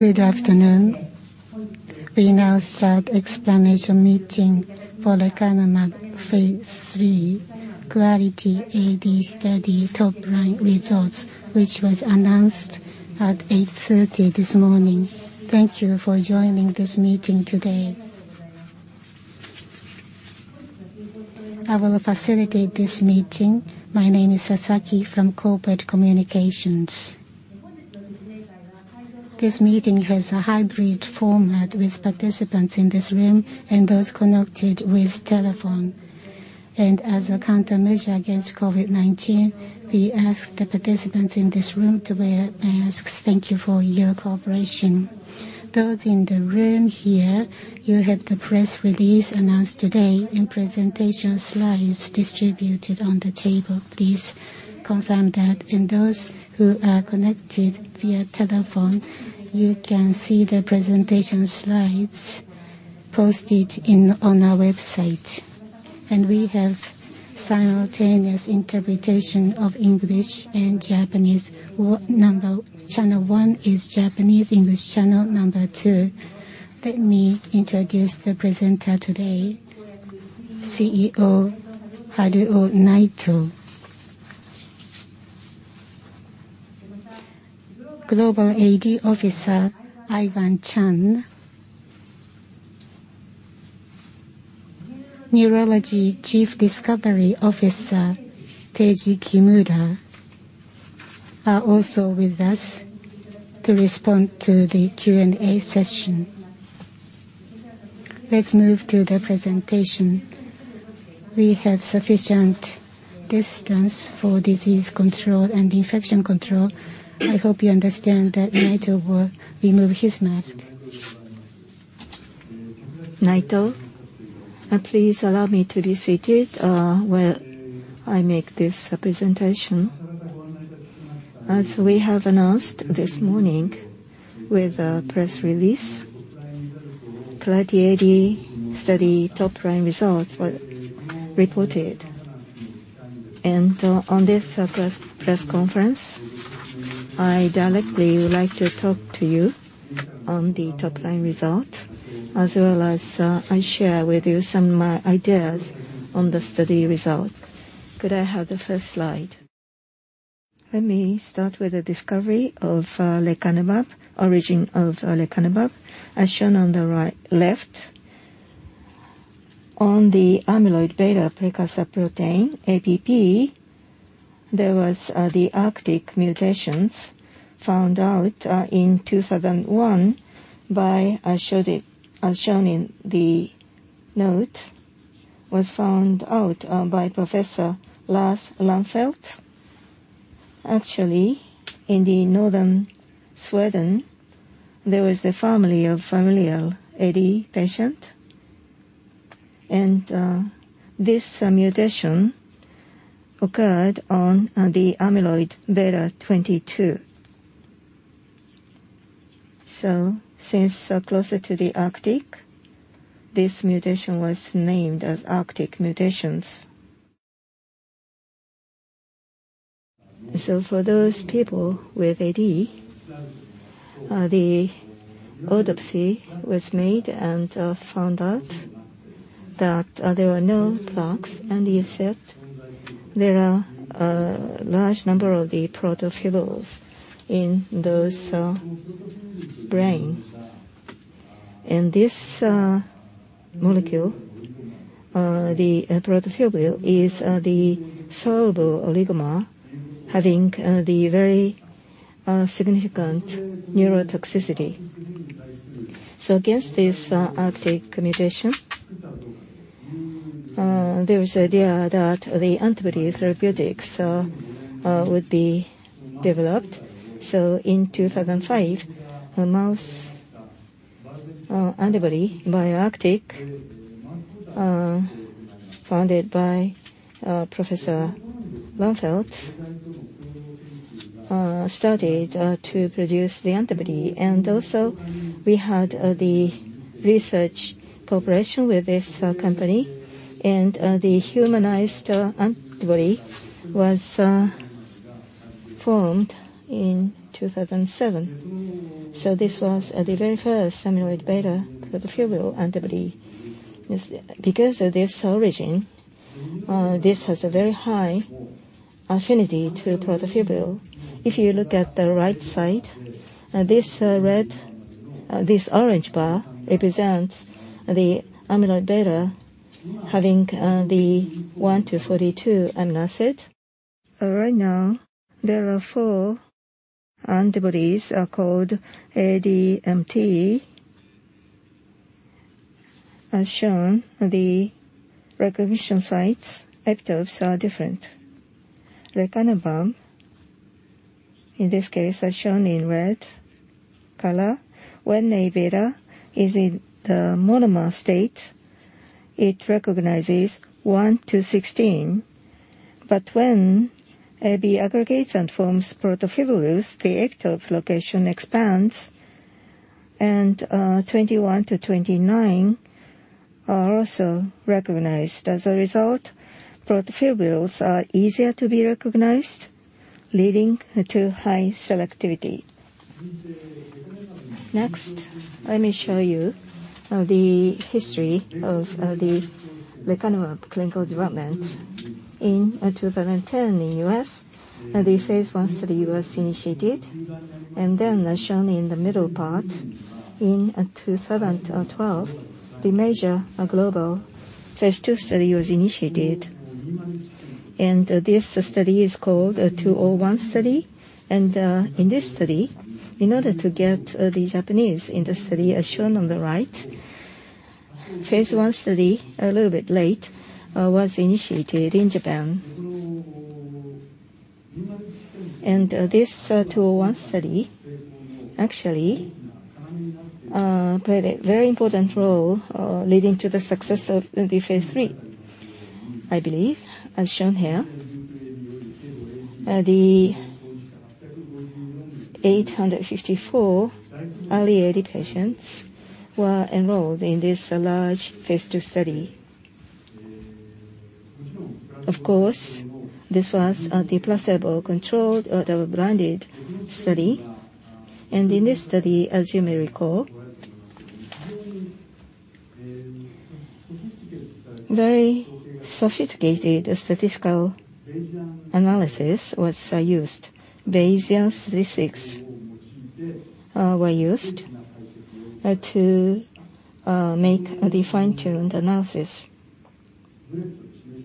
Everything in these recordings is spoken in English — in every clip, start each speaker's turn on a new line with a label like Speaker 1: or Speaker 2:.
Speaker 1: Good afternoon. We now start explanation meeting for the lecanemab phase III Clarity AD study top line results, which was announced at 8:30 A.M. this morning. Thank you for joining this meeting today. I will facilitate this meeting. My name is Sasaki from Corporate Communications. This meeting has a hybrid format with participants in this room and those connected with telephone. As a countermeasure against COVID-19, we ask the participants in this room to wear masks. Thank you for your cooperation. Those in the room here, you have the press release announced today and presentation slides distributed on the table. Please confirm that. Those who are connected via telephone, you can see the presentation slides posted on our website. We have simultaneous interpretation of English and Japanese. Channel one is Japanese. English, channel number two. Let me introduce the presenter today, CEO Haruo Naito. Global AD Officer Ivan Cheung, Neurology Chief Discovery Officer Teiji Kimura are also with us to respond to the Q&A session. Let's move to the presentation. We have sufficient distance for disease control and infection control. I hope you understand that Naito will remove his mask.
Speaker 2: Please allow me to be seated while I make this presentation. As we have announced this morning with a press release, Clarity AD study top-line results were reported. On this press conference, I directly would like to talk to you on the top-line result, as well as, I share with you some ideas on the study result. Could I have the first slide? Let me start with the discovery of lecanemab, origin of lecanemab. As shown on the right, left, on the amyloid beta precursor protein, APP, there was the Arctic mutations found out in 2001 by, as shown in the note, was found out by Professor Lars Lannfelt. Actually, in the Northern Sweden, there was a family of familial AD patient. This mutation occurred on the amyloid beta 22. Since closer to the Arctic, this mutation was named as Arctic mutations. For those people with AD, the autopsy was made and found out that there were no plaques, and instead there are a large number of the protofibrils in those brain. This molecule, the protofibril, is the soluble oligomer having the very significant neurotoxicity. Against this, Arctic mutation, there is idea that the antibody therapeutics would be developed. In 2005, a mouse antibody BioArctic, founded by Professor Lannfelt, started to produce the antibody. Also we had the research cooperation with this company, and the humanized antibody was formed in 2007. This was the very first amyloid beta protofibril antibody. Because of this origin, this has a very high affinity to protofibril. If you look at the right side, this orange bar represents the amyloid beta having the one to 42 amino acid. Right now there are four antibodies are called AD-MT. As shown, the recognition sites, epitopes are different. Lecanemab, in this case as shown in red color, when Aβ is in the monomer state, it recognizes one to 16. When AB aggregates and forms protofibrils, the epitope location expands and 21-29 are also recognized. As a result, protofibrils are easier to be recognized, leading to high selectivity. Next, let me show you the history of the lecanemab clinical development. In 2010 in U.S., the phase I study was initiated. As shown in the middle part, in 2012, the major global phase II study was initiated. This study is called 201 Study. In this study, in order to get the Japanese in the study as shown on the right, phase I study a little bit late was initiated in Japan. This 201 Study actually played a very important role leading to the success of the phase III. I believe, as shown here, the 854 early AD patients were enrolled in this large phase II study. Of course, this was the placebo-controlled double-blinded study. In this study, as you may recall, very sophisticated statistical analysis was used. Bayesian statistics were used to make the fine-tuned analysis.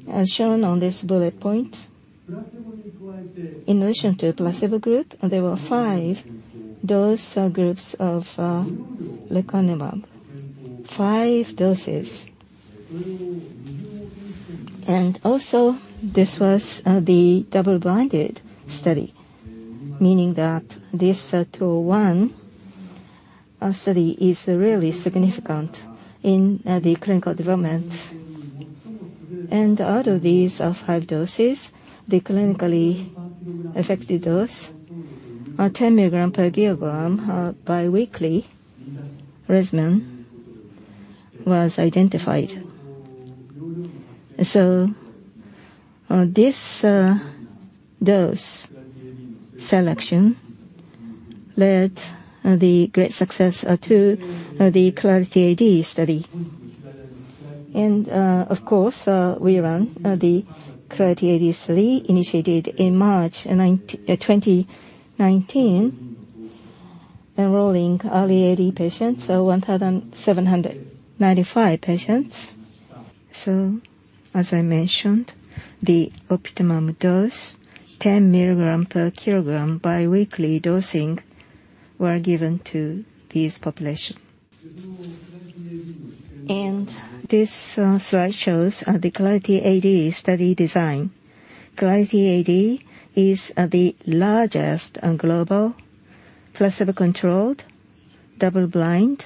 Speaker 2: As shown on this bullet point, in relation to placebo group, there were five dose groups of lecanemab. Five doses. This was the double-blind study, meaning that this Study 201 study is really significant in the clinical development. Out of these five doses, the clinically effective dose, 10 mg/kg bi-weekly regimen was identified. This dose selection led the great success to the Clarity AD study. Of course, we ran the Clarity AD study initiated in March 2019, enrolling early AD patients, so 1,795 patients. As I mentioned, the optimum dose, 10 mg/kg bi-weekly dosing were given to this population. This slide shows the Clarity AD study design. Clarity AD is the largest and global placebo-controlled, double-blind,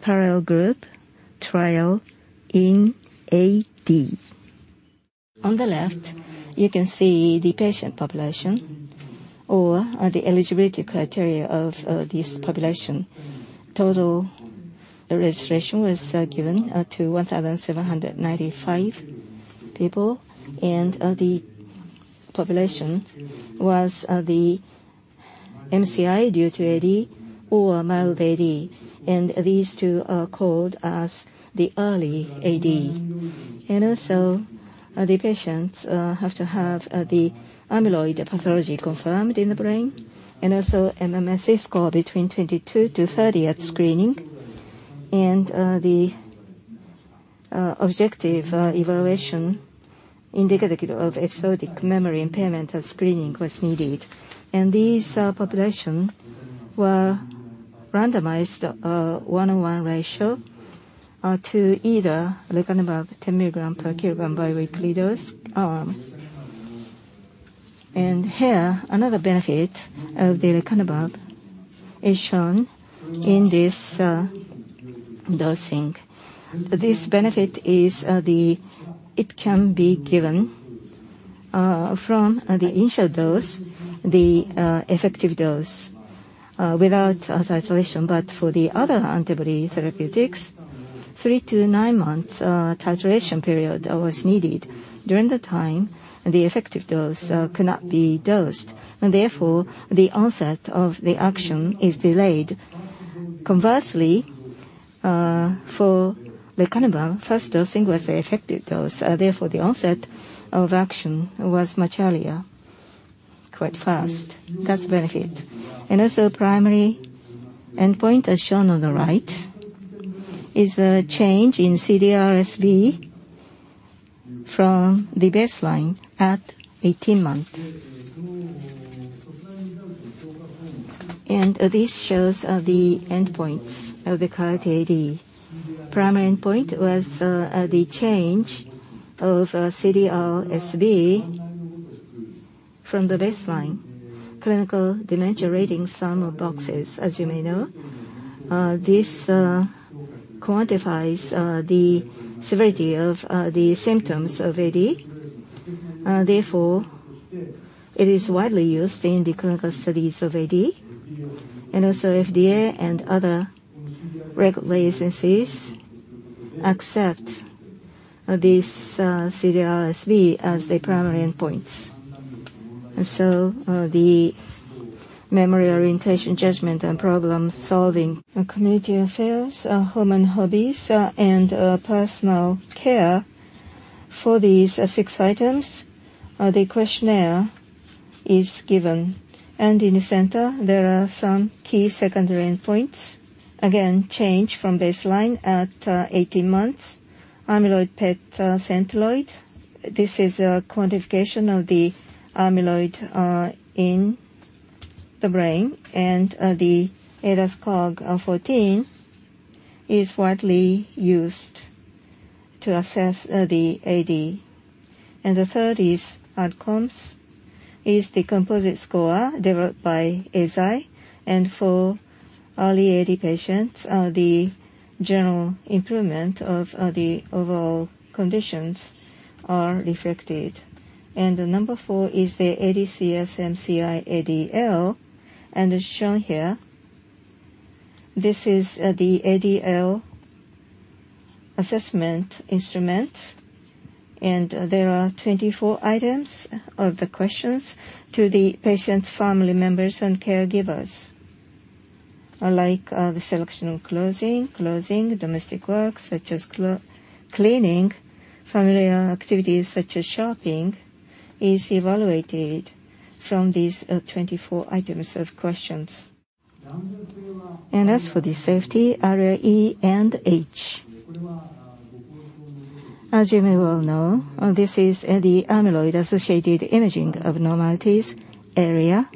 Speaker 2: parallel group trial in AD. On the left, you can see the patient population or the eligibility criteria of this population. Total registration was given to 1,795 people, and the population was the MCI due to AD or mild AD. These two are called as the early AD. The patients have to have the amyloid pathology confirmed in the brain, and also MMSE score between 22-30 at screening. The objective evaluation indicative of episodic memory impairment at screening was needed. These population were randomized 1:1 ratio to either lecanemab 10 mg/kg bi-weekly dose arm. Here, another benefit of the lecanemab is shown in this dosing. This benefit is. It can be given from the initial dose, the effective dose, without titration. For the other antibody therapeutics, three to nine months titration period was needed. During the time, the effective dose cannot be dosed, and therefore, the onset of the action is delayed. Conversely, for lecanemab, first dosing was the effective dose, therefore the onset of action was much earlier, quite fast. That's the benefit. Primary endpoint as shown on the right is the change in CDR-SB from the baseline at 18 months. This shows the endpoints of the Clarity AD. Primary endpoint was the change of CDR-SB from the baseline. Clinical Dementia Rating - Sum of Boxes, as you may know. This quantifies the severity of the symptoms of AD. Therefore, it is widely used in the clinical studies of AD. Also FDA and other regulatory agencies accept this, CDR-SB as the primary endpoints. The memory, orientation, judgment and problem-solving. Community affairs, home and hobbies, and personal care. For these six items, the questionnaire is given. In the center there are some key secondary endpoints. Again, change from baseline at 18 months. Amyloid PET Centiloid. This is a quantification of the amyloid in the brain. The ADAS-Cog14 is widely used to assess the AD. The third outcome is the composite score developed by Eisai. For early AD patients, the general improvement of the overall conditions are reflected. Number four is the ADCS MCI-ADL. As shown here, this is the ADL assessment instrument. There are 24 items of the questions to the patient's family members and caregivers. Like, the selection of clothing, domestic work such as cleaning, familiar activities such as shopping is evaluated from these, 24 items of questions. As for the safety, ARIA-E and H. As you may well know, this is the amyloid-related imaging abnormalities, ARIA.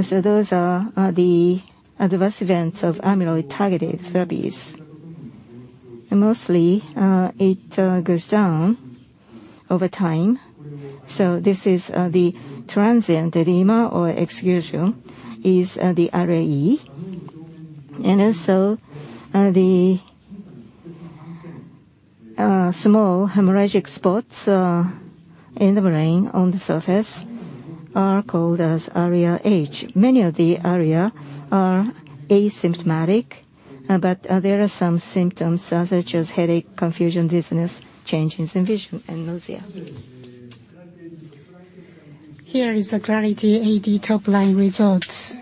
Speaker 2: So those are the adverse events of amyloid-targeted therapies. Mostly, it goes down over time. This is the transient edema or effusion, the ARIA-E. Also, the small hemorrhagic spots in the brain on the surface are called ARIA-H. Many of the ARIA are asymptomatic, but there are some symptoms such as headache, confusion, dizziness, changes in vision and nausea. Here is the Clarity AD top-line results.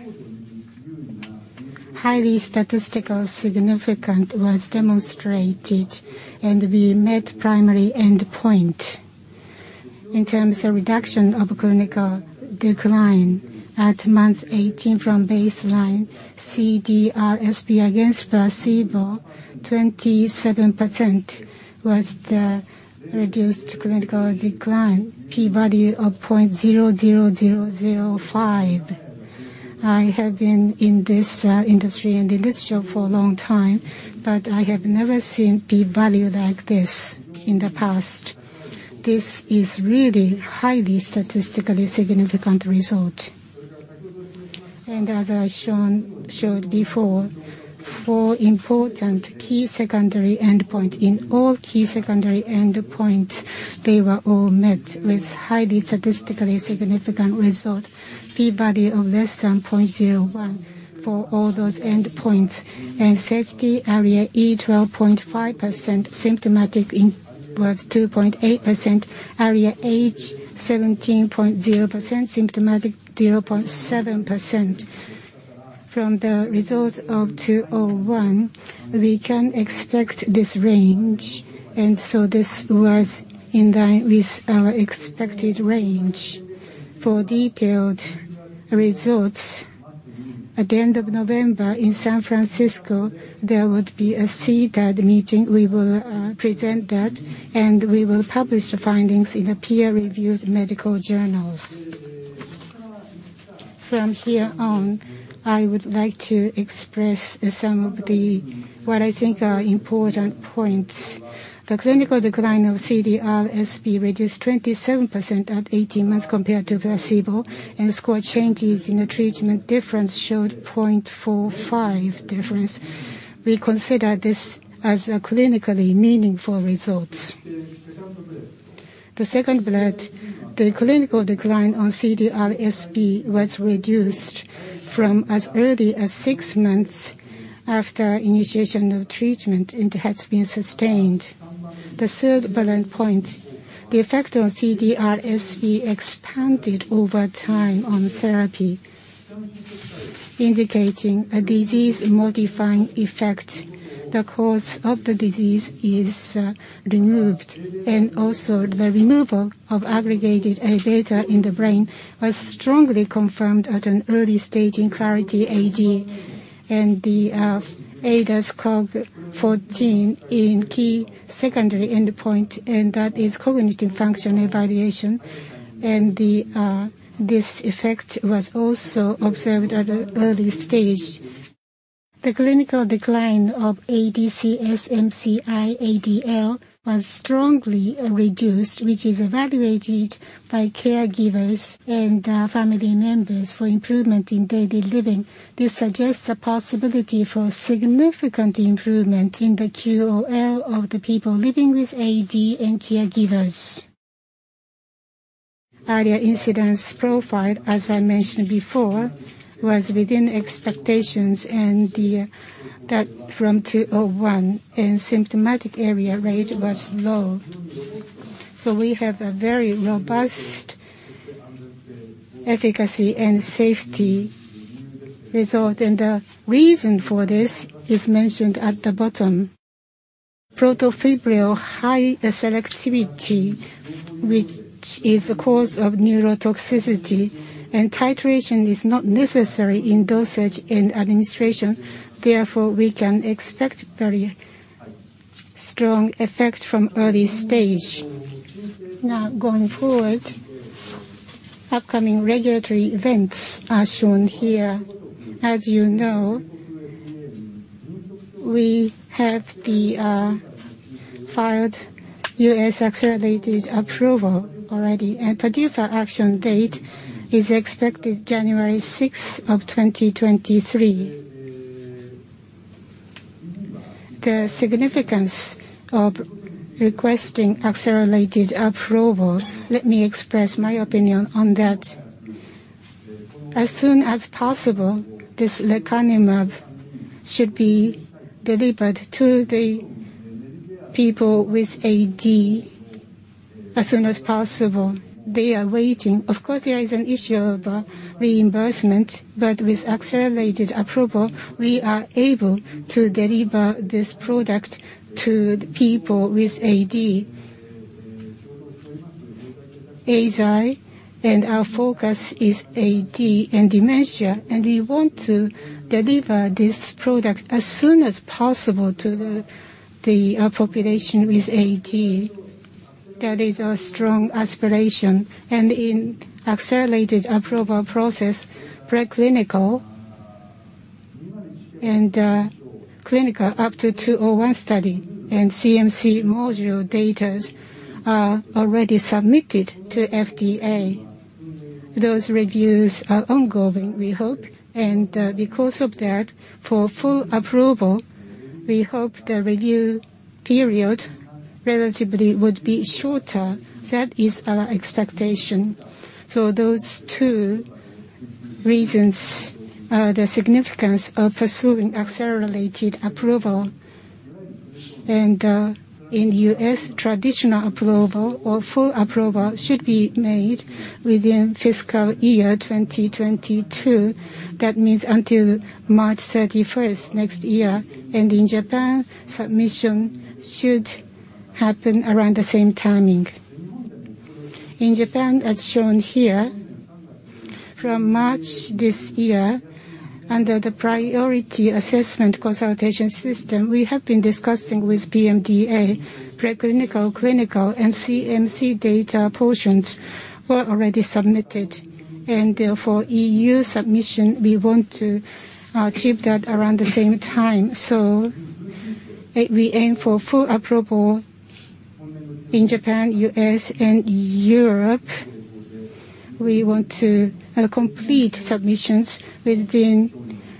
Speaker 2: Highly statistically significant was demonstrated, and we met primary endpoint. In terms of reduction of clinical decline at month 18 from baseline CDR-SB against placebo, 27% was the reduced clinical decline. P-value of 0.00005. I have been in this industry and the R&D job for a long time, but I have never seen p-value like this in the past. This is really highly statistically significant result. As I've shown before, for important key secondary endpoint. In all key secondary endpoints, they were all met with highly statistically significant result. P-value of less than 0.01 for all those endpoints. Safety ARIA-E 12.5%, symptomatic incidence was 2.8%. ARIA-H 17.0%, symptomatic 0.7%. From the results of 201, we can expect this range, and so this was in line with our expected range. For detailed results, at the end of November in San Francisco, there would be a seated meeting. We will present that, and we will publish the findings in the peer-reviewed medical journals. From here on, I would like to express some of the, what I think are important points. The clinical decline of CDR-SB reduced 27% at 18 months compared to placebo, and score changes in the treatment difference showed 0.45 difference. We consider this as a clinically meaningful results. The second bullet, the clinical decline on CDR-SB was reduced from as early as six months after initiation of treatment and has been sustained. The third bullet point, the effect on CDR-SB expanded over time on therapy, indicating a disease-modifying effect. The cause of the disease is removed, and also the removal of aggregated Aβ in the brain was strongly confirmed at an early stage in Clarity AD and the ADAS-Cog14 in key secondary endpoint, and that is cognitive function evaluation. This effect was also observed at an early stage. The clinical decline of ADCS MCI-ADL was strongly reduced, which is evaluated by caregivers and family members for improvement in daily living. This suggests a possibility for significant improvement in the QOL of the people living with AD and caregivers. ARIA incidence profile, as I mentioned before, was within expectations and that from 201 and symptomatic ARIA rate was low. So we have a very robust efficacy and safety result. The reason for this is mentioned at the bottom. Protofibril high selectivity, which is the cause of neurotoxicity, and titration is not necessary in dosage and administration. Therefore, we can expect very strong effect from early stage. Now, going forward, upcoming regulatory events are shown here. As you know, we have filed U.S. accelerated approval already. PDUFA action date is expected January 6, 2023. The significance of requesting accelerated approval, let me express my opinion on that. As soon as possible, this lecanemab should be delivered to the people with AD as soon as possible. They are waiting. Of course, there is an issue of reimbursement, but with accelerated approval, we are able to deliver this product to people with AD. Eisai, and our focus is AD and dementia, and we want to deliver this product as soon as possible to the population with AD. That is our strong aspiration. In accelerated approval process, preclinical and clinical up to 201 Study and CMC module data are already submitted to FDA. Those reviews are ongoing, we hope. Because of that, for full approval, we hope the review period relatively would be shorter. That is our expectation. Those two reasons are the significance of pursuing accelerated approval. In U.S., traditional approval or full approval should be made within fiscal year 2022. That means until March 31st next year. In Japan, submission should happen around the same timing. In Japan, as shown here, from March this year, under the priority assessment consultation system, we have been discussing with PMDA. Preclinical, clinical, and CMC data portions were already submitted. Therefore, EU submission, we want to achieve that around the same time. We aim for full approval in Japan, U.S., and Europe. We want to complete submissions within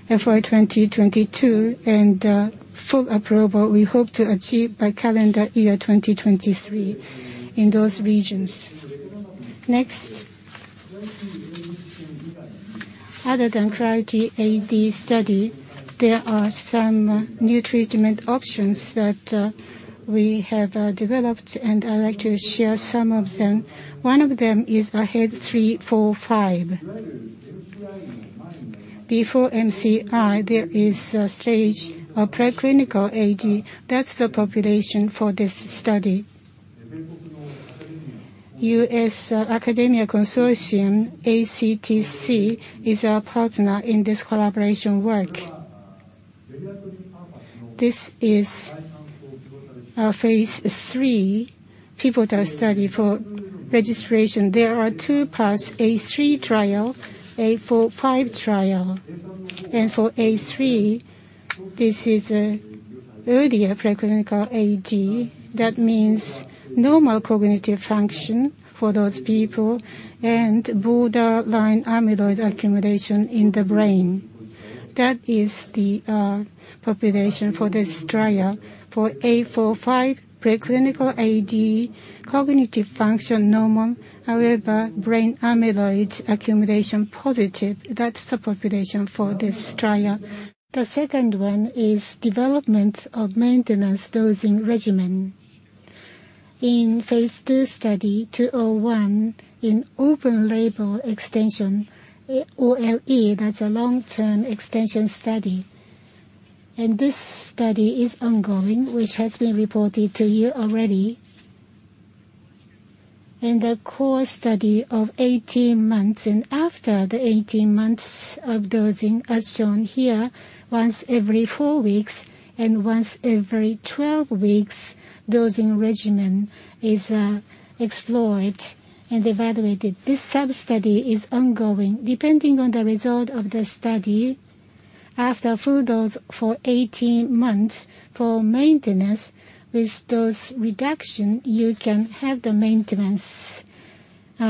Speaker 2: FY 2022 and full approval we hope to achieve by calendar year 2023 in those regions. Next. Other than priority AD study, there are some new treatment options that we have developed, and I'd like to share some of them. One of them is AHEAD 3-45. Before MCI, there is a stage of preclinical AD. That's the population for this study. Alzheimer's Clinical Trials Consortium, ACTC, is our partner in this collaboration work. This is our phase III pivotal study for registration. There are two parts, A3 Trial, A45 Trial. For A3, this is earlier preclinical AD. That means normal cognitive function for those people and borderline amyloid accumulation in the brain. That is the population for this trial. For A45 preclinical AD, cognitive function normal, however, brain amyloid accumulation positive. That's the population for this trial. The second one is development of maintenance dosing regimen. In phase II Study 201 in open label extension, OLE, that's a long-term extension study. This study is ongoing, which has been reported to you already. The core study of 18 months and after the 18 months of dosing, as shown here, once every four weeks and once every 12 weeks dosing regimen is explored and evaluated. This sub-study is ongoing. Depending on the result of the study, after full dose for 18 months for maintenance with dose reduction, you can have the maintenance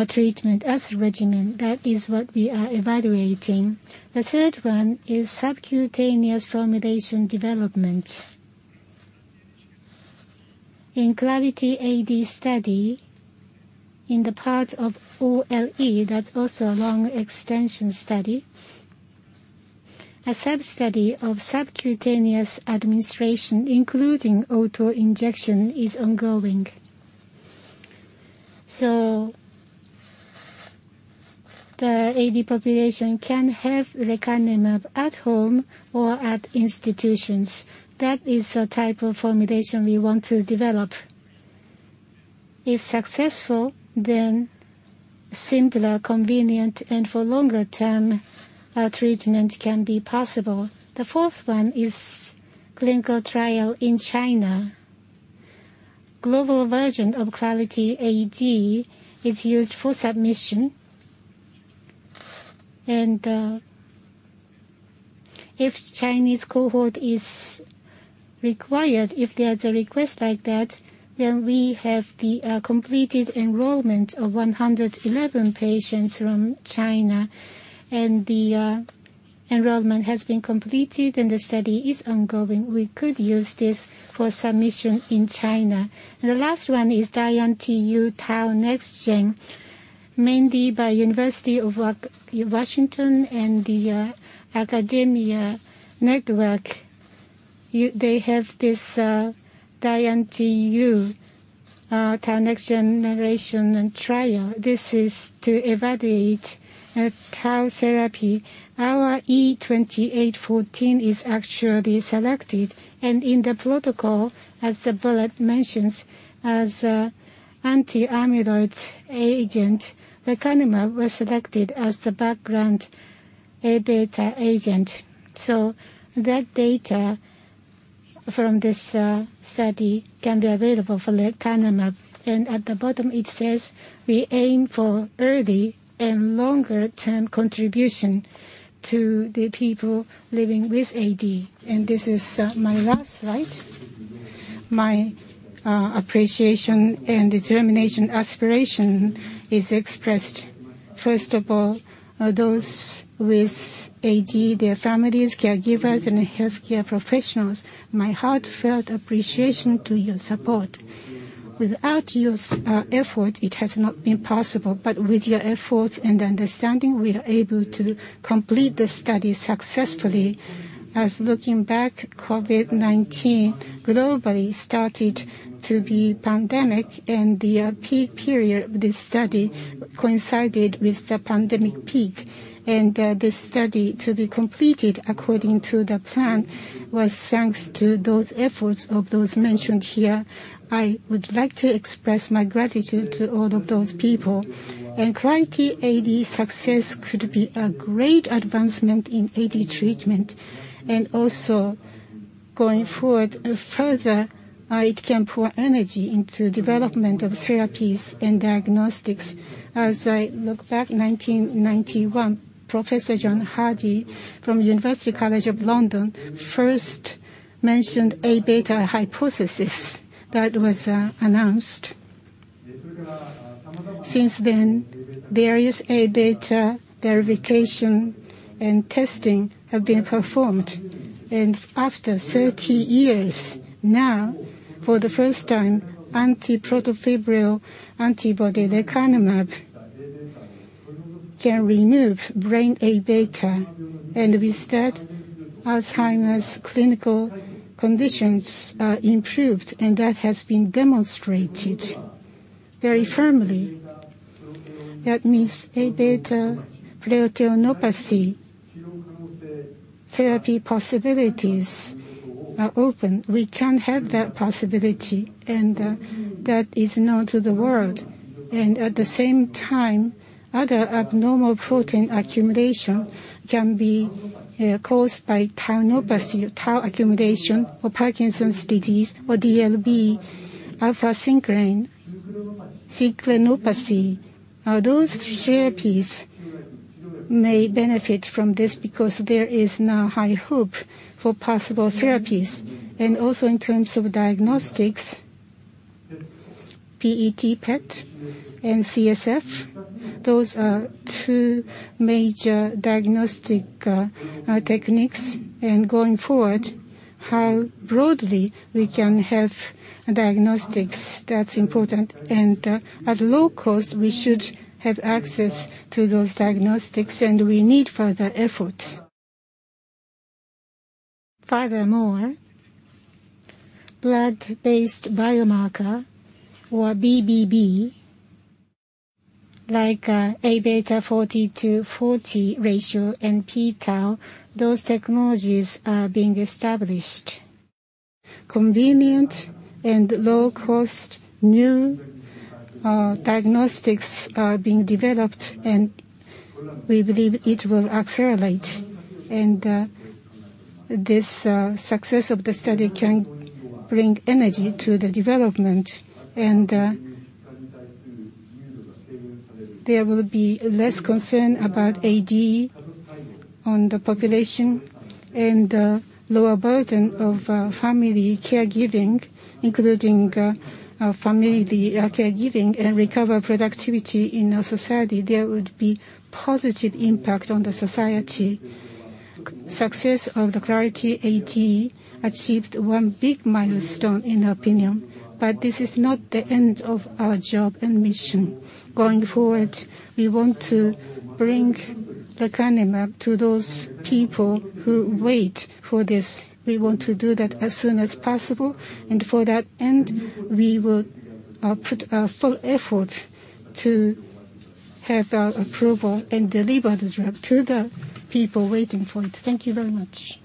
Speaker 2: treatment as regimen. That is what we are evaluating. The third one is subcutaneous formulation development. In Clarity AD study, in the part of OLE, that's also a long extension study. A sub-study of subcutaneous administration, including auto-injection, is ongoing. The AD population can have lecanemab at home or at institutions. That is the type of formulation we want to develop. If successful, then simpler, convenient, and for longer term treatment can be possible. The fourth one is clinical trial in China. Global version of Clarity AD is used for submission. If Chinese cohort is required, if there's a request like that, then we have the completed enrollment of 111 patients from China. The enrollment has been completed, and the study is ongoing. We could use this for submission in China. The last one is DIAN-TU Tau NexGen, mainly by Washington University and the academic network. They have this DIAN-TU Tau NexGen trial. This is to evaluate tau therapy. Our E2814 is actually selected. In the protocol, as the bullet mentions, anti-amyloid agent, lecanemab was selected as the background Aβ agent. That data from this study can be available for lecanemab. At the bottom it says, "We aim for early and longer term contribution to the people living with AD." This is my last slide. My appreciation and determination, aspiration is expressed. First of all, those with AD, their families, caregivers, and healthcare professionals, my heartfelt appreciation to your support. Without your effort, it has not been possible. With your effort and understanding, we are able to complete this study successfully. Looking back, COVID-19 globally started to be pandemic and the peak period of this study coincided with the pandemic peak. The study to be completed according to the plan was thanks to those efforts of those mentioned here. I would like to express my gratitude to all of those people. Clarity AD success could be a great advancement in AD treatment. Going forward, further, it can pour energy into development of therapies and diagnostics. As I look back, 1991, Professor John Hardy from University College London first mentioned Aβ hypothesis that was announced. Since then, various Aβ verification and testing have been performed. After 30 years, now for the first time, anti-protofibril antibody lecanemab can remove brain Aβ. With that, Alzheimer's clinical conditions are improved, and that has been demonstrated very firmly. That means Aβ proteopathy therapy possibilities are open. We can have that possibility and that is known to the world. At the same time, other abnormal protein accumulation can be caused by tauopathy or tau accumulation or Parkinson's disease or DLB, α-synucleinopathy. Those therapies may benefit from this because there is now high hope for possible therapies. Also in terms of diagnostics, PET and CSF, those are two major diagnostic techniques. Going forward, how broadly we can have diagnostics, that's important. At low cost, we should have access to those diagnostics, and we need further efforts. Furthermore, blood-based biomarker, or BBB, like Aβ42/40 ratio and p-tau, those technologies are being established. Convenient and low cost new diagnostics are being developed, and we believe it will accelerate. This success of the study can bring energy to the development. There will be less concern about AD on the population and lower burden of family caregiving and recover productivity in our society. There would be positive impact on the society. Success of the Clarity AD achieved one big milestone, in our opinion, but this is not the end of our job and mission. Going forward, we want to bring lecanemab to those people who wait for this. We want to do that as soon as possible, and for that end, we will put our full effort to have approval and deliver the drug to the people waiting for it. Thank you very much.